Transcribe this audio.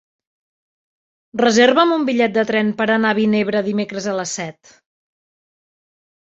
Reserva'm un bitllet de tren per anar a Vinebre dimecres a les set.